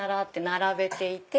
並べていて。